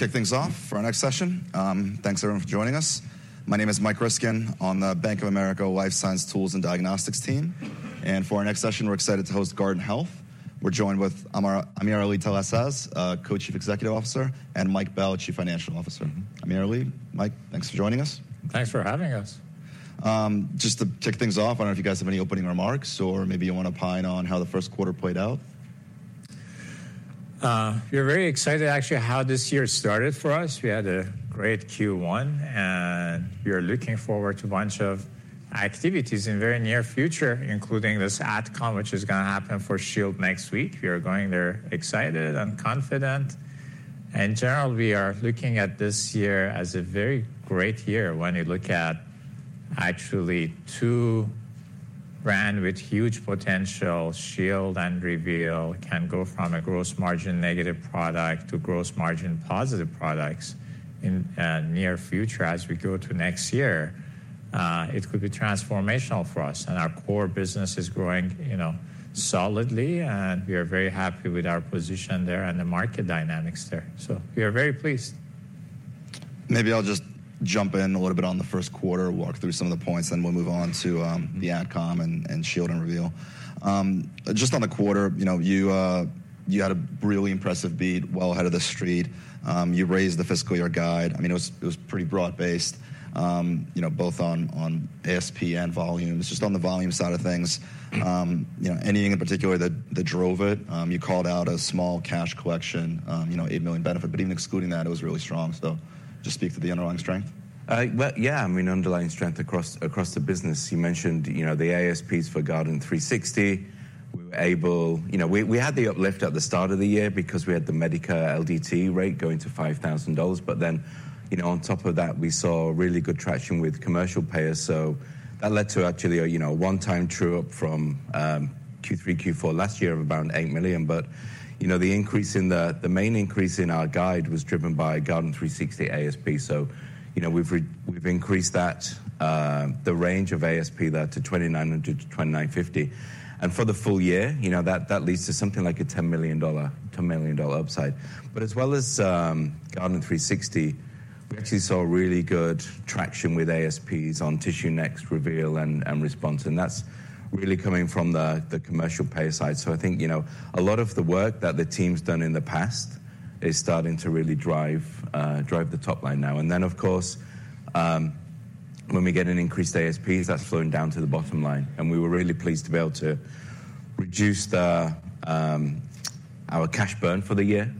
To kick things off for our next session. Thanks, everyone, for joining us. My name is Mike Ryskin on the Bank of America Life Science Tools and Diagnostics team. For our next session, we're excited to host Guardant Health. We're joined with AmirAli Talasaz, Co-Chief Executive Officer, and Mike Bell, Chief Financial Officer. AmirAli, Mike, thanks for joining us. Thanks for having us. Just to kick things off, I don't know if you guys have any opening remarks, or maybe you want to opine on how the first quarter played out. We're very excited actually, how this year started for us. We had a great Q1, and we are looking forward to a bunch of activities in the very near future, including this AdCom, which is gonna happen for Shield next week. We are going there excited and confident. In general, we are looking at this year as a very great year when you look at actually two brands with huge potential, Shield and Reveal, can go from a gross margin negative product to gross margin positive products in, near future as we go to next year. It could be transformational for us, and our core business is growing, you know, solidly, and we are very happy with our position there and the market dynamics there. So we are very pleased. Maybe I'll just jump in a little bit on the first quarter, walk through some of the points, then we'll move on to the AdCom and Shield and Reveal. Just on the quarter, you know, you had a really impressive beat, well ahead of the Street. You raised the fiscal year guide. I mean, it was pretty broad-based, you know, both on ASP and volumes. Just on the volume side of things, you know, anything in particular that drove it? You called out a small cash collection, you know, $8 million benefit, but even excluding that, it was really strong. So just speak to the underlying strength. Well, yeah, I mean, underlying strength across, across the business. You mentioned, you know, the ASPs for Guardant360. You know, we had the uplift at the start of the year because we had the Medicare LDT rate going to $5,000, but then, you know, on top of that, we saw really good traction with commercial payers. So that led to actually a, you know, one-time true-up from Q3, Q4 last year of around $8 million. But, you know, the increase in the-- the main increase in our guide was driven by Guardant360 ASP. So, you know, we've increased that, the range of ASP there to $2,900-$2,950. And for the full year, you know, that, that leads to something like a $10 million upside. But as well as Guardant360, we actually saw really good traction with ASPs on TissueNext, Reveal, and Response, and that's really coming from the commercial payer side. So I think, you know, a lot of the work that the team's done in the past is starting to really drive, drive the top line now. And then, of course, when we get increased ASPs, that's flowing down to the bottom line, and we were really pleased to be able to reduce our cash burn for the year.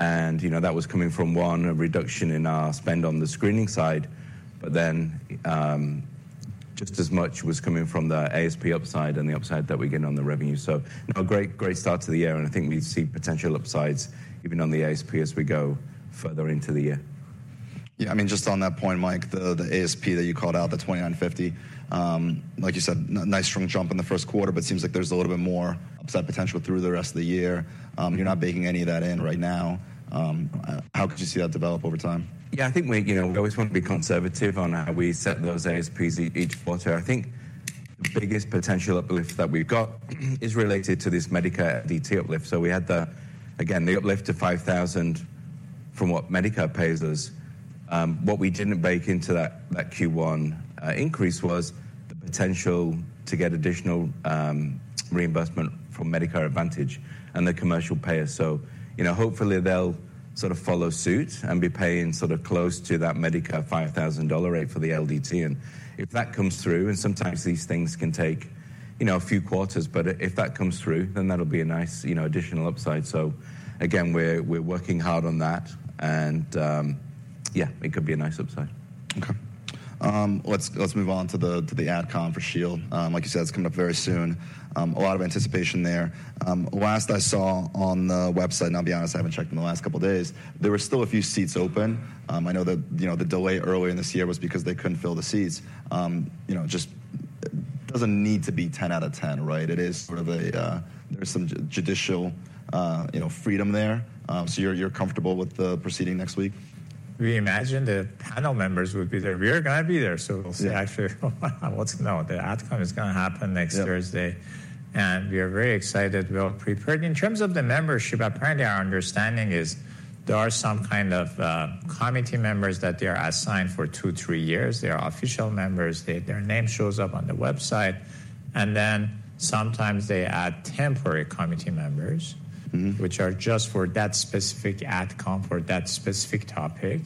And, you know, that was coming from, one, a reduction in our spend on the screening side, but then just as much was coming from the ASP upside and the upside that we're getting on the revenue. Now a great, great start to the year, and I think we see potential upsides even on the ASP as we go further into the year. Yeah, I mean, just on that point, Mike, the ASP that you called out, the $2,950, like you said, nice strong jump in the first quarter, but it seems like there's a little bit more upside potential through the rest of the year. You're not baking any of that in right now. How could you see that develop over time? Yeah, I think we, you know, we always want to be conservative on how we set those ASPs each quarter. I think the biggest potential uplift that we've got is related to this Medicare LDT uplift. So we had the, again, the uplift to $5,000 from what Medicare pays us. What we didn't bake into that, that Q1 increase was the potential to get additional reimbursement from Medicare Advantage and the commercial payer. So you know, hopefully, they'll sort of follow suit and be paying sort of close to that Medicare $5,000 rate for the LDT. And if that comes through, and sometimes these things can take, you know, a few quarters, but if that comes through, then that'll be a nice, you know, additional upside. So again, we're, we're working hard on that, and, yeah, it could be a nice upside. Okay. Let's move on to the AdCom for Shield. Like you said, it's coming up very soon. A lot of anticipation there. Last I saw on the website, and I'll be honest, I haven't checked in the last couple of days, there were still a few seats open. I know you know, the delay earlier in this year was because they couldn't fill the seats. You know, just doesn't need to be 10 out of 10, right? It is sort of a, there's some judicial, you know, freedom there. So you're comfortable with the proceeding next week? We imagine the panel members would be there. We are gonna be there, so we'll see. Actually, well, as you know. The AdCom is gonna happen next Thursday- Yep. and we are very excited. We are prepared. In terms of the membership, apparently, our understanding is there are some kind of committee members that they are assigned for two, three years. They are official members. They- their name shows up on the website, and then sometimes they add temporary committee members- Mm-hmm. -which are just for that specific AdCom for that specific topic,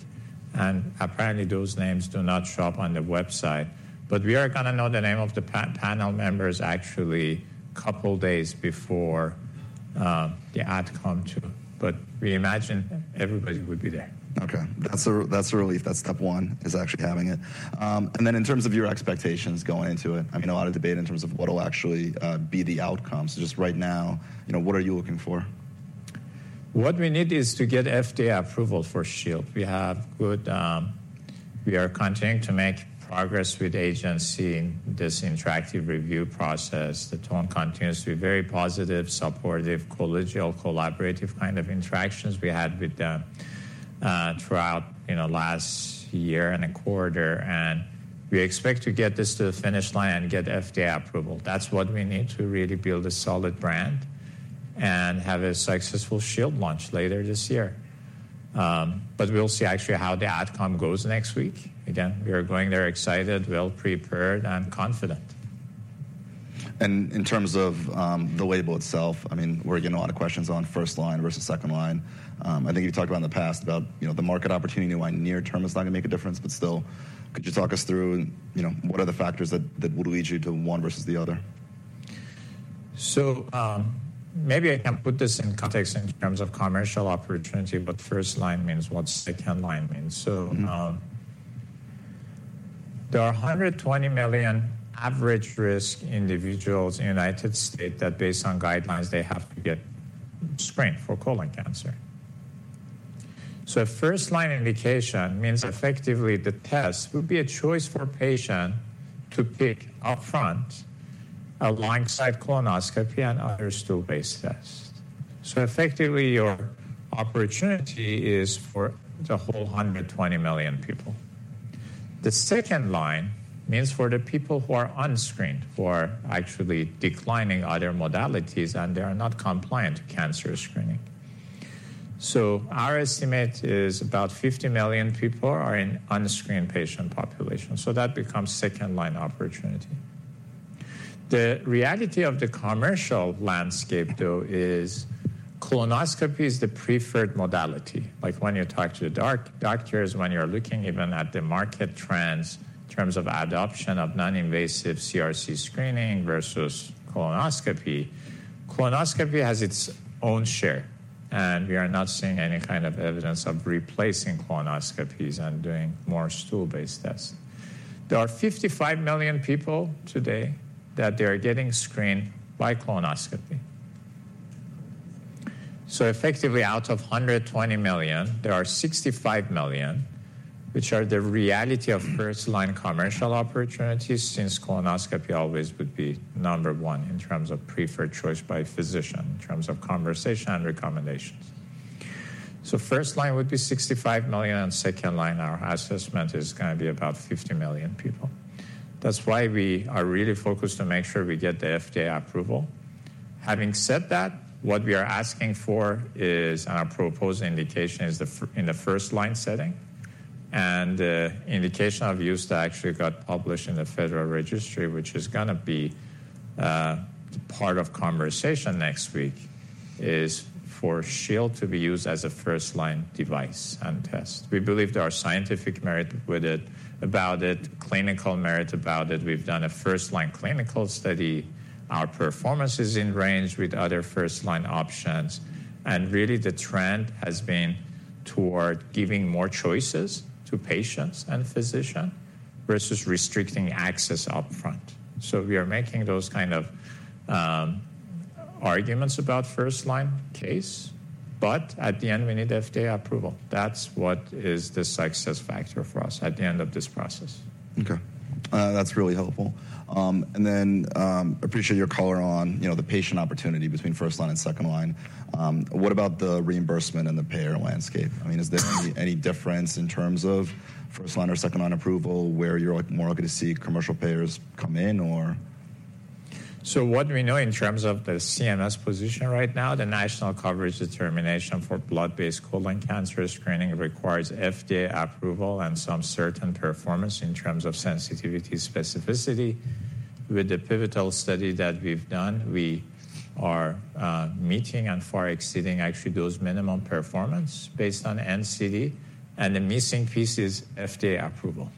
and apparently, those names do not show up on the website. But we are gonna know the name of the panel members actually couple days before the AdCom too, but we imagine everybody would be there. Okay. That's a, that's a relief. That's step one, is actually having it. And then in terms of your expectations going into it, I mean, a lot of debate in terms of what will actually be the outcomes. Just right now, you know, what are you looking for? What we need is to get FDA approval for Shield. We have good. We are continuing to make progress with the agency in this interactive review process. The tone continues to be very positive, supportive, collegial, collaborative kind of interactions we had with them, throughout, you know, last year and a quarter. We expect to get this to the finish line and get FDA approval. That's what we need to really build a solid brand and have a successful Shield launch later this year. But we'll see actually how the outcome goes next week. Again, we are going there excited, well-prepared, and confident. In terms of, the label itself, I mean, we're getting a lot of questions on first-line versus second-line. I think you talked about in the past about, you know, the market opportunity in the near term is not going to make a difference, but still, could you talk us through, you know, what are the factors that would lead you to one versus the other? So, maybe I can put this in context in terms of commercial opportunity, but first-line means what second-line means. Mm-hmm. So, there are 120 million average-risk individuals in the United States that, based on guidelines, they have to get screened for colon cancer. So a first-line indication means effectively the test would be a choice for a patient to pick upfront, alongside colonoscopy and other stool-based tests. So effectively, your opportunity is for the whole 120 million people. The second-line means for the people who are unscreened, who are actually declining other modalities, and they are not compliant cancer screening. So our estimate is about 50 million people are in unscreened patient population, so that becomes second-line opportunity. The reality of the commercial landscape, though, is colonoscopy is the preferred modality. Like when you talk to the doctors, when you're looking even at the market trends in terms of adoption of non-invasive CRC screening versus colonoscopy, colonoscopy has its own share, and we are not seeing any kind of evidence of replacing colonoscopies and doing more stool-based tests. There are 55 million people today that they are getting screened by colonoscopy. So effectively, out of 120 million, there are 65 million, which are the reality of first-line commercial opportunities, since colonoscopy always would be number one in terms of preferred choice by physician, in terms of conversation and recommendations. So first-line would be 65 million, and second line, our assessment is gonna be about 50 million people. That's why we are really focused to make sure we get the FDA approval. Having said that, what we are asking for is, and our proposed indication is the first- in the first-line setting, and the indication of use that actually got published in the Federal Register, which is gonna be part of conversation next week, is for Shield to be used as a first-line device and test. We believe there are scientific merit with it, about it, clinical merit about it. We've done a first-line clinical study. Our performance is in range with other first-line options, and really, the trend has been toward giving more choices to patients and physician versus restricting access upfront. So we are making those kind of arguments about first-line case, but at the end, we need FDA approval. That's what is the success factor for us at the end of this process. Okay. That's really helpful. And then, appreciate your color on, you know, the patient opportunity between first-line and second-line. What about the reimbursement and the payer landscape? I mean, is there any difference in terms of first-line or second-line approval, where you're more likely to see commercial payers come in or ? So what we know in terms of the CMS position right now, the National Coverage Determination for blood-based colon cancer screening requires FDA approval and some certain performance in terms of sensitivity specificity. With the pivotal study that we've done, we are meeting and far exceeding actually those minimum performance based on NCD, and the missing piece is FDA approval.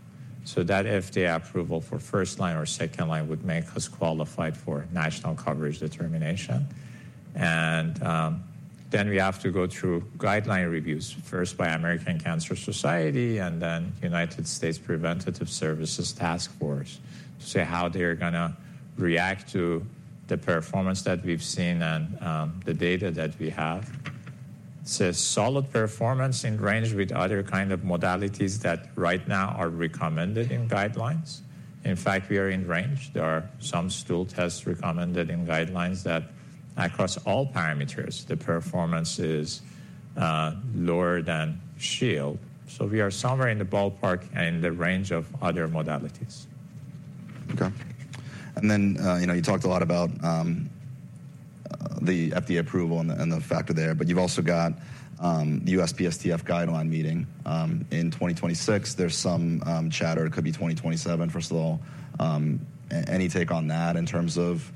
So that FDA approval for first line or second line would make us qualified for National Coverage Determination. And then we have to go through guideline reviews, first by American Cancer Society and then United States Preventive Services Task Force, to see how they're gonna react to the performance that we've seen and the data that we have. So solid performance in range with other kind of modalities that right now are recommended in guidelines. In fact, we are in range. There are some stool tests recommended in guidelines that across all parameters, the performance is, lower than Shield. So we are somewhere in the ballpark and the range of other modalities. Okay. And then, you know, you talked a lot about the FDA approval and the factor there, but you've also got the USPSTF guideline meeting in 2026. There's some chatter it could be 2027, first of all. Any take on that in terms of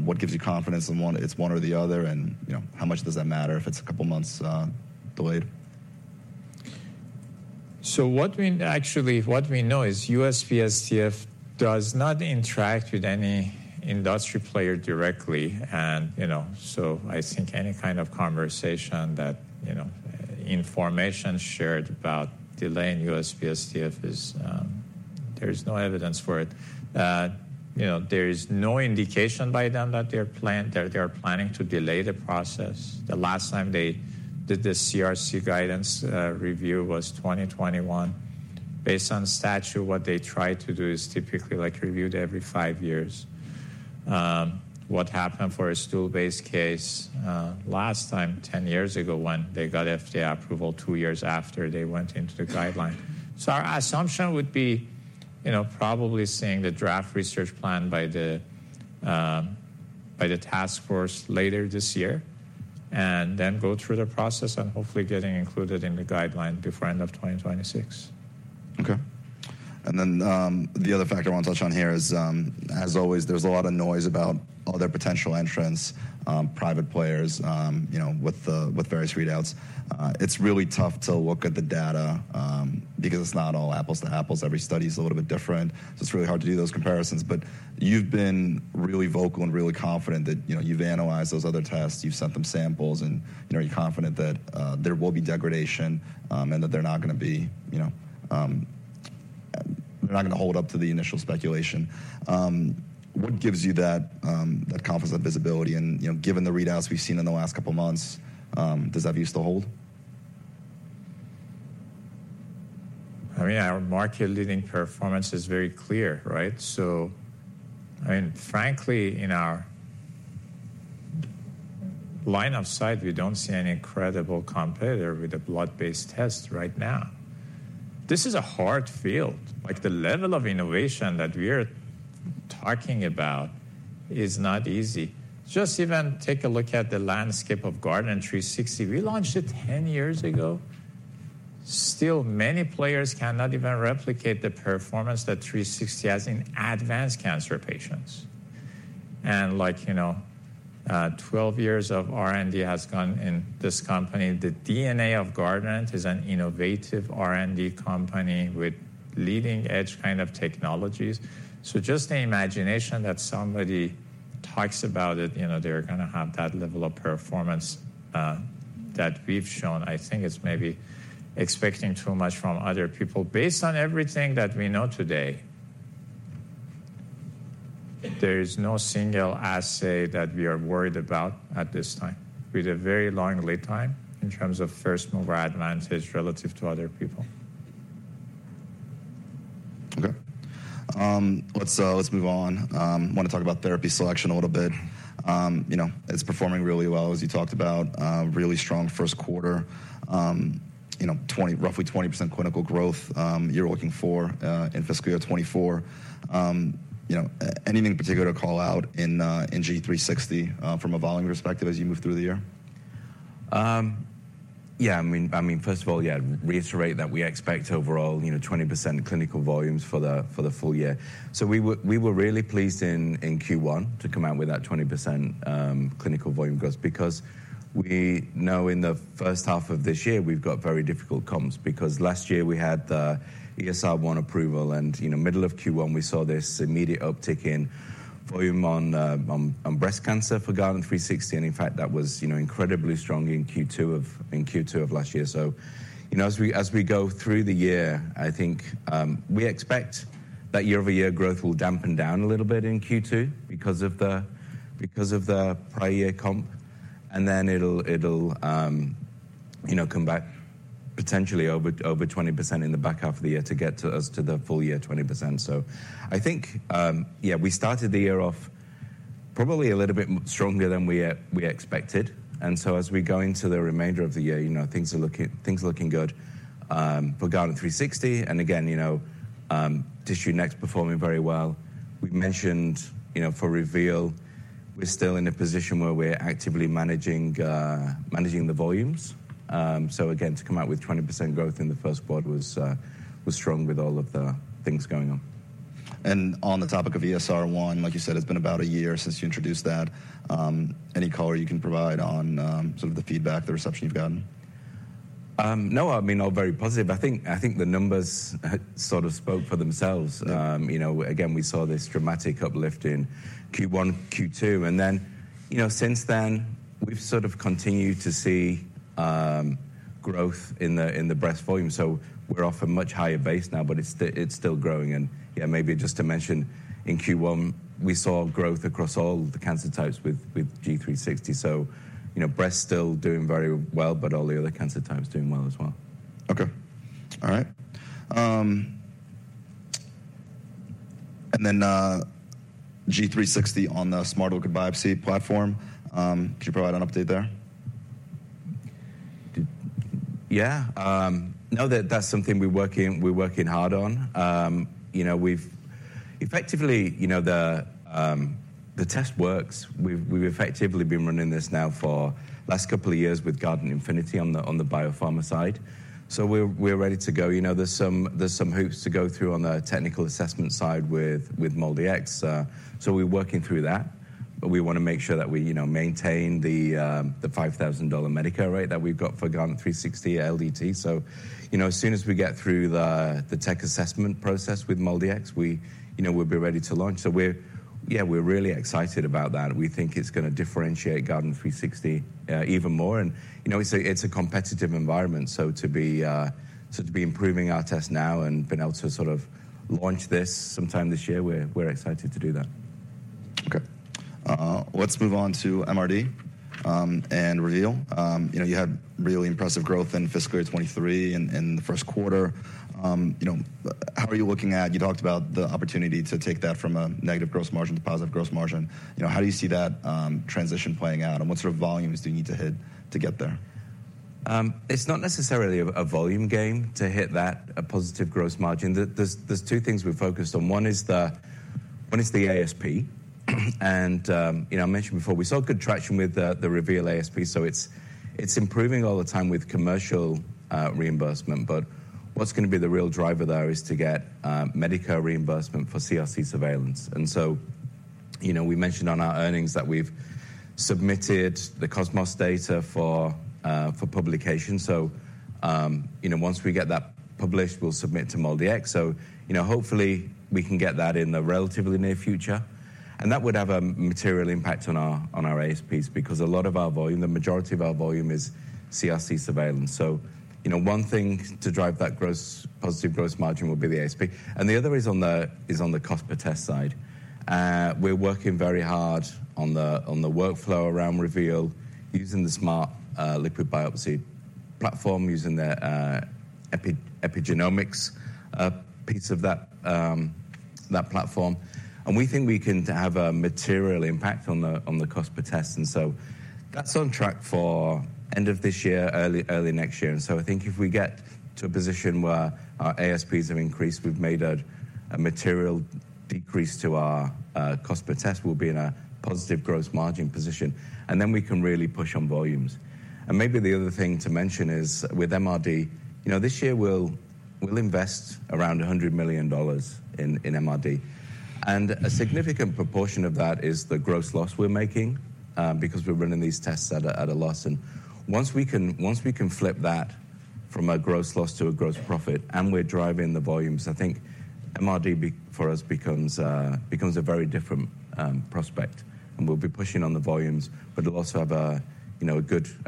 what gives you confidence in one—it's one or the other, and, you know, how much does that matter if it's a couple of months delayed? Actually, what we know is USPSTF does not interact with any industry player directly, and, you know, so I think any kind of conversation that, you know, information shared about delaying USPSTF is, there's no evidence for it. You know, there is no indication by them that they are planning to delay the process. The last time they did the CRC guidance review was 2021. Based on statute, what they try to do is typically, like, reviewed every five years. What happened for a stool-based case last time, 10 years ago, when they got FDA approval 2 years after they went into the guideline. So our assumption would be, you know, probably seeing the draft research plan by the task force later this year, and then go through the process and hopefully getting included in the guideline before end of 2026. Okay. And then, the other factor I want to touch on here is, as always, there's a lot of noise about other potential entrants, private players, you know, with the, with various readouts. It's really tough to look at the data, because it's not all apples to apples. Every study is a little bit different, so it's really hard to do those comparisons. But you've been really vocal and really confident that, you know, you've analyzed those other tests, you've sent them samples, and, you know, you're confident that, there will be degradation, and that they're not gonna be, you know, they're not gonna hold up to the initial speculation. What gives you that, that confidence, that visibility, and, you know, given the readouts we've seen in the last couple of months, does that view still hold? I mean, our market-leading performance is very clear, right? So I mean, frankly, in our line of sight, we don't see any credible competitor with a blood-based test right now. This is a hard field. Like, the level of innovation that we're talking about is not easy. Just even take a look at the landscape of Guardant360. We launched it 10 years ago. Still, many players cannot even replicate the performance that 360 has in advanced cancer patients. And like, you know, 12 years of R&D has gone in this company. The DNA of Guardant is an innovative R&D company with leading-edge kind of technologies. So just the imagination that somebody talks about it, you know, they're gonna have that level of performance that we've shown, I think is maybe expecting too much from other people. Based on everything that we know today, there is no single assay that we are worried about at this time. We have a very long lead time in terms of first-mover advantage relative to other people. Okay. Let's move on. I want to talk about therapy selection a little bit. You know, it's performing really well, as you talked about, really strong first quarter. You know, 20, roughly 20% clinical growth, you're looking for in fiscal year 2024. You know, anything in particular to call out in Guardant360 from a volume perspective as you move through the year? Yeah, I mean, I mean, first of all, yeah, to reiterate that we expect overall, you know, 20% clinical volumes for the full year. So we were really pleased in Q1 to come out with that 20% clinical volume growth because we know in the first half of this year we've got very difficult comps. Because last year we had the ESR1 approval, and, you know, middle of Q1, we saw this immediate uptick in volume on breast cancer for Guardant360, and in fact, that was, you know, incredibly strong in Q2 of last year. So, you know, as we go through the year, I think, we expect that year-over-year growth will dampen down a little bit in Q2 because of the prior year comp, and then it'll, you know, come back potentially over 20% in the back half of the year to get to the full year 20%. So I think, yeah, we started the year off probably a little bit more stronger than we expected, and so as we go into the remainder of the year, you know, things are looking good for Guardant360, and again, you know, TissueNext performing very well. We mentioned, you know, for Reveal, we're still in a position where we're actively managing the volumes. So again, to come out with 20% growth in the first quarter was strong with all of the things going on. On the topic of ESR1, like you said, it's been about a year since you introduced that. Any color you can provide on some of the feedback, the reception you've gotten? No, I mean, all very positive, but I think, I think the numbers sort of spoke for themselves. Yeah. You know, again, we saw this dramatic uplift in Q1, Q2, and then, you know, since then, we've sort of continued to see growth in the breast volume. So we're off a much higher base now, but it's still growing. And yeah, maybe just to mention, in Q1, we saw growth across all the cancer types with G360. So, you know, breast still doing very well, but all the other cancer types doing well as well. Okay. All right. And then, Guardant360 on the Smart Liquid Biopsy platform, could you provide an update there? Yeah. You know that that's something we're working, we're working hard on. You know, we've effectively, you know, the test works. We've effectively been running this now for last couple of years with Guardant Infinity on the biopharma side. So we're ready to go. You know, there's some hoops to go through on the technical assessment side with MolDX. So we're working through that, but we wanna make sure that we, you know, maintain the $5,000 Medicare rate that we've got for Guardant360 LDT. So, you know, as soon as we get through the tech assessment process with MolDX, we, you know, we'll be ready to launch. So we're yeah, we're really excited about that, and we think it's gonna differentiate Guardant360 even more. You know, it's a competitive environment, so to be improving our test now and being able to sort of launch this sometime this year, we're excited to do that. Okay. Let's move on to MRD and Reveal. You know, you had really impressive growth in fiscal year 2023 and in the first quarter. You know, how are you looking at. You talked about the opportunity to take that from a negative gross margin to positive gross margin. You know, how do you see that transition playing out, and what sort of volumes do you need to hit to get there? It's not necessarily a volume game to hit that, a positive gross margin. There's two things we've focused on. One is the ASP, and, you know, I mentioned before, we saw good traction with the Reveal ASP, so it's improving all the time with commercial reimbursement. But what's gonna be the real driver there is to get Medicare reimbursement for CRC surveillance. And so, you know, we mentioned on our earnings that we've submitted the COSMOS data for publication. So, you know, once we get that published, we'll submit to MolDX. So, you know, hopefully, we can get that in the relatively near future, and that would have a material impact on our ASPs, because a lot of our volume, the majority of our volume is CRC surveillance. You know, one thing to drive that positive gross margin would be the ASP, and the other is on the cost per test side. We're working very hard on the workflow around Reveal, using the Smart Liquid Biopsy platform, using the epigenomics piece of that platform. We think we can have a material impact on the cost per test. That's on track for end of this year, early next year. I think if we get to a position where our ASPs have increased, we've made a material decrease to our cost per test, we'll be in a positive gross margin position, and then we can really push on volumes. Maybe the other thing to mention is with MRD. You know, this year we'll invest around $100 million in MRD. And a significant proportion of that is the gross loss we're making, because we're running these tests at a loss. And once we can flip that from a gross loss to a gross profit, and we're driving the volumes, I think MRD for us becomes a very different prospect, and we'll be pushing on the volumes. But it'll also have a you know, a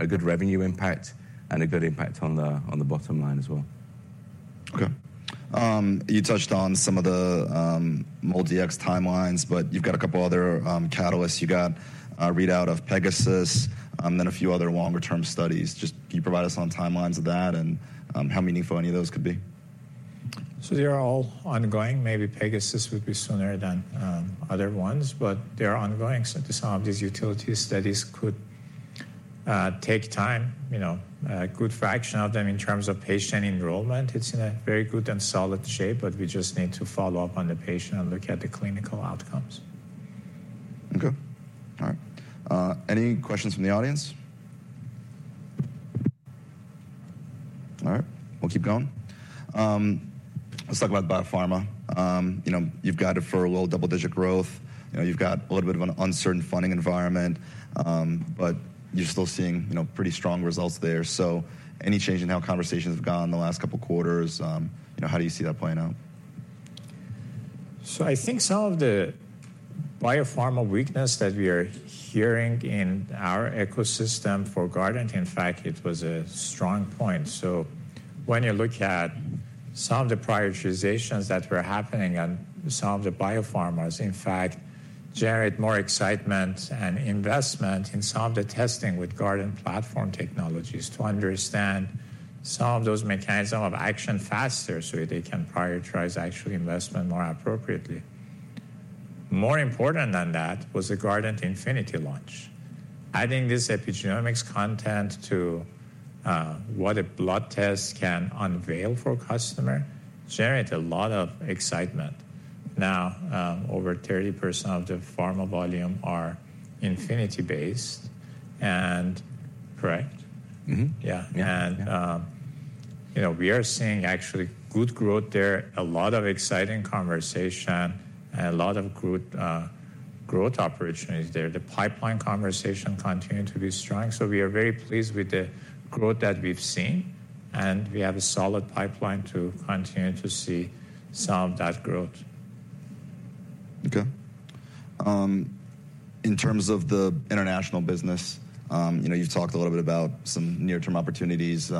good revenue impact and a good impact on the bottom line as well. Okay. You touched on some of the MolDX timelines, but you've got a couple of other catalysts. You got a readout of PEGASUS, and then a few other longer-term studies. Just can you provide us on timelines of that and how meaningful any of those could be? So they are all ongoing. Maybe PEGASUS would be sooner than other ones, but they're ongoing. So some of these utility studies could take time, you know. A good fraction of them in terms of patient enrollment, it's in a very good and solid shape, but we just need to follow up on the patient and look at the clinical outcomes. Okay. All right. Any questions from the audience? All right, we'll keep going. Let's talk about biopharma. You know, you've got it for a little double-digit growth. You know, you've got a little bit of an uncertain funding environment, but you're still seeing, you know, pretty strong results there. So any change in how conversations have gone in the last couple of quarters? You know, how do you see that playing out? So I think some of the biopharma weakness that we are hearing in our ecosystem for Guardant, in fact, it was a strong point. So when you look at some of the prioritizations that were happening, and some of the biopharmas, in fact, generate more excitement and investment in some of the testing with Guardant platform technologies to understand some of those mechanism of action faster, so they can prioritize actual investment more appropriately. More important than that was the Guardant Infinity launch. Adding this epigenomics content to what a blood test can unveil for a customer, generate a lot of excitement. Now, over 30% of the pharma volume are Infinity-based and. Correct? Mm-hmm. Yeah. Yeah. You know, we are seeing actually good growth there, a lot of exciting conversation, and a lot of good growth opportunities there. The pipeline conversation continue to be strong, so we are very pleased with the growth that we've seen, and we have a solid pipeline to continue to see some of that growth. Okay. In terms of the international business, you know, you've talked a little bit about some near-term opportunities,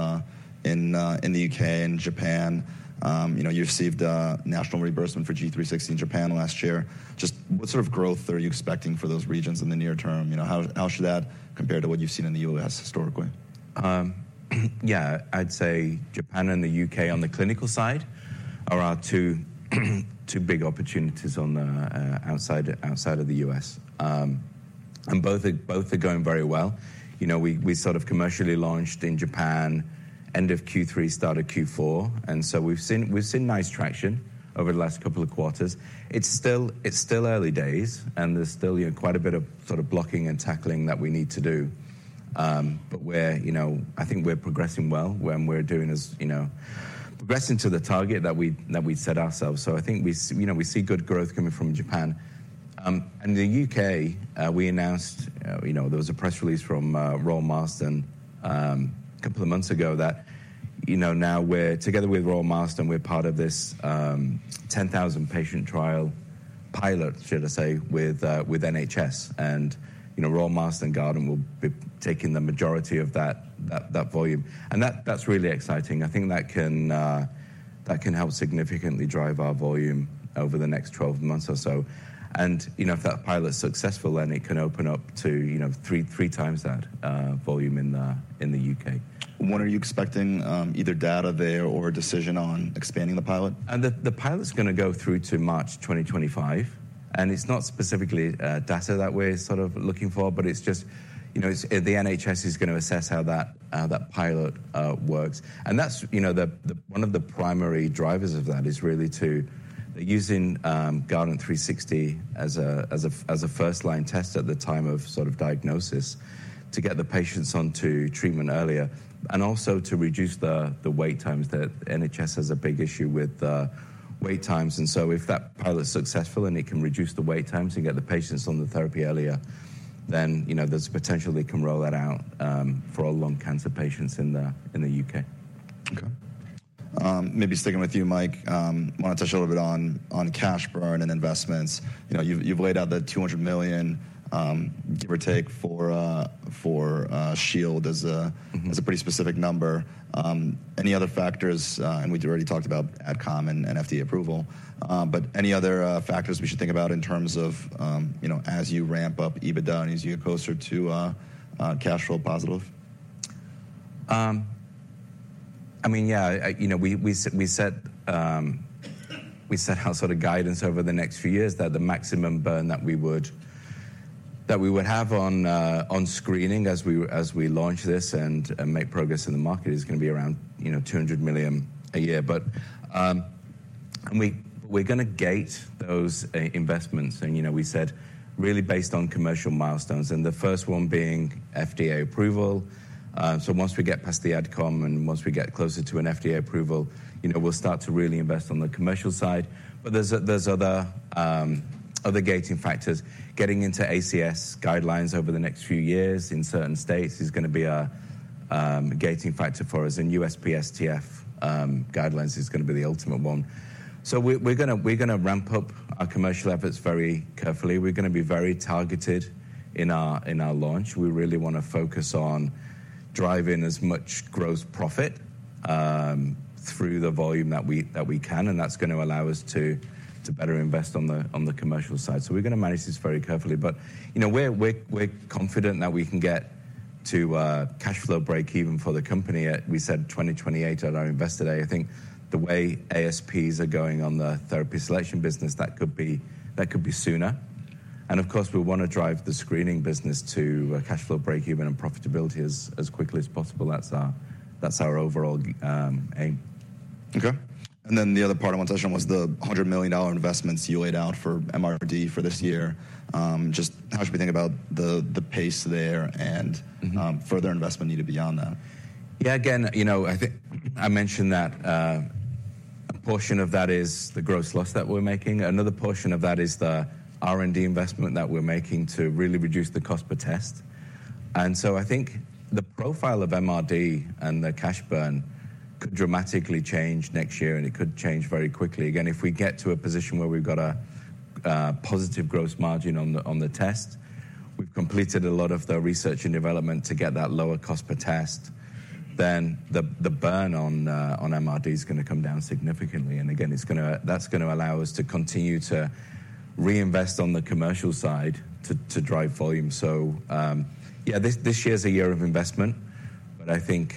in the UK and Japan. You know, you've received a national reimbursement for G360 in Japan last year. Just what sort of growth are you expecting for those regions in the near term? You know, how should that compare to what you've seen in the U.S. historically? Yeah, I'd say Japan and the UK, on the clinical side, are our two big opportunities on the outside of the US. And both are going very well. You know, we sort of commercially launched in Japan, end of Q3, start of Q4, and so we've seen nice traction over the last couple of quarters. It's still early days, and there's still, you know, quite a bit of sort of blocking and tackling that we need to do. But we're, you know. I think we're progressing well, when we're doing as, you know, progressing to the target that we set ourselves. So I think we see, you know, good growth coming from Japan. And the UK, we announced, you know, there was a press release from Royal Marsden, a couple of months ago that, you know, now we're together with Royal Marsden, we're part of this 10,000 patient trial pilot, should I say, with NHS. And, you know, Royal Marsden and Guardant will be taking the majority of that volume, and that's really exciting. I think that can help significantly drive our volume over the next 12 months or so. And, you know, if that pilot's successful, then it can open up to, you know, 3 times that volume in the UK. When are you expecting, either data there or a decision on expanding the pilot? The pilot's gonna go through to March 2025, and it's not specifically data that we're sort of looking for, but it's just, you know, the NHS is gonna assess how that pilot works. And that's, you know, one of the primary drivers of that is really to using Guardant360 as a first-line test at the time of sort of diagnosis, to get the patients onto treatment earlier, and also to reduce the wait times. The NHS has a big issue with wait times, and so if that pilot's successful, and it can reduce the wait times and get the patients on the therapy earlier, then, you know, there's potential they can roll that out for all lung cancer patients in the UK. Okay. Maybe sticking with you, Mike, I wanna touch a little bit on cash burn and investments. You know, you've laid out the $200 million, give or take, for Shield as a- Mm-hmm -as a pretty specific number. Any other factors, and we'd already talked about AdCom and FDA approval, but any other factors we should think about in terms of, you know, as you ramp up EBITDA and as you get closer to cash flow positive? I mean, yeah, I, you know, we, we, we said, we said our sort of guidance over the next few years, that the maximum burn that we would, that we would have on, on screening as we, as we launch this and, and make progress in the market is gonna be around, you know, $200 million a year. But, and we, we're gonna gate those investments, and, you know, we said really based on commercial milestones, and the first one being FDA approval. So once we get past the AdCom, and once we get closer to an FDA approval, you know, we'll start to really invest on the commercial side. But there's, there's other, other gating factors. Getting into ACS guidelines over the next few years in certain states is gonna be a gating factor for us, and USPSTF guidelines is gonna be the ultimate one. So we're gonna ramp up our commercial efforts very carefully. We're gonna be very targeted in our launch. We really wanna focus on driving as much gross profit through the volume that we can, and that's gonna allow us to better invest on the commercial side. So we're gonna manage this very carefully, but you know, we're confident that we can get to a cash flow break even for the company at. We said 2028 at our Investor Day. I think the way ASPs are going on the therapy selection business, that could be, that could be sooner, and of course, we wanna drive the screening business to a cash flow break even and profitability as, as quickly as possible. That's our, that's our overall aim. Okay. And then the other part I wanna touch on was the $100 million investments you laid out for MRD for this year. Just how should we think about the pace there and- Mm-hmm -further investment needed beyond that? Yeah, again, you know, I think I mentioned that, a portion of that is the gross loss that we're making. Another portion of that is the R&D investment that we're making to really reduce the cost per test. And so I think the profile of MRD and the cash burn could dramatically change next year, and it could change very quickly. Again, if we get to a position where we've got a positive gross margin on the test, we've completed a lot of the research and development to get that lower cost per test, then the burn on MRD is gonna come down significantly, and again, that's gonna allow us to continue to reinvest on the commercial side to drive volume. Yeah, this year's a year of investment, but I think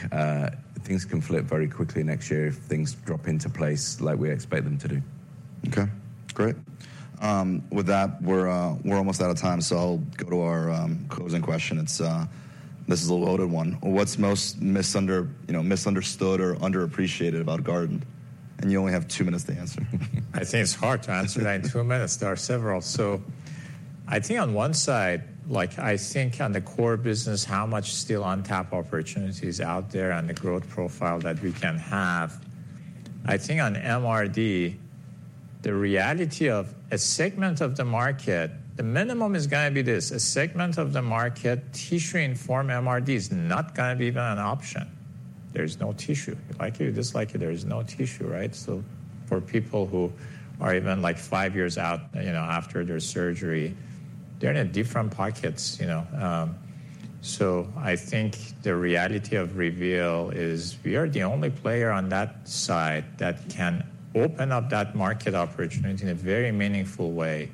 things can flip very quickly next year if things drop into place like we expect them to do. Okay, great. With that, we're almost out of time, so I'll go to our closing question. It's this is a loaded one: What's most misunderstood, you know, or underappreciated about Guardant? And you only have two minutes to answer. I think it's hard to answer that in two minutes. There are several. So I think on one side, like, I think on the core business, how much still on tap opportunities out there and the growth profile that we can have. I think on MRD, the reality of a segment of the market, the minimum is gonna be this, a segment of the market, tissue-informed MRD is not gonna be even an option. There's no tissue. You like it, you dislike it, there is no tissue, right? So for people who are even, like, five years out, you know, after their surgery, they're in a different pockets, you know. So I think the reality of Reveal is we are the only player on that side that can open up that market opportunity in a very meaningful way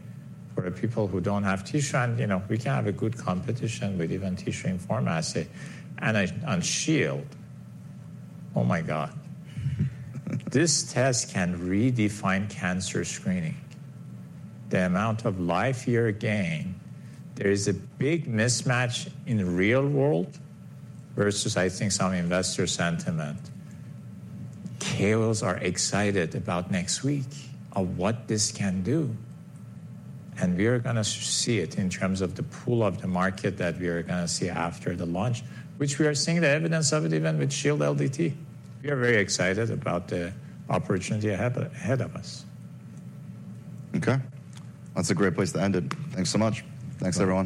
for the people who don't have tissue. You know, we can have a good competition with even tissue-informed assay. On Shield, oh, my God, this test can redefine cancer screening. The amount of life year gain, there is a big mismatch in the real world versus, I think, some investor sentiment. KOLs are excited about next week of what this can do, and we are gonna see it in terms of the pool of the market that we are gonna see after the launch, which we are seeing the evidence of it even with Shield LDT. We are very excited about the opportunity ahead of us. Okay. That's a great place to end it. Thanks so much. Thanks, everyone.